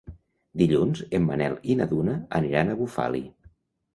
Dilluns en Manel i na Duna aniran a Bufali.